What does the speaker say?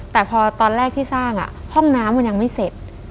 แต่พอตอนแรกที่สร้างห้องน้ำมันยังไม่เสร็จ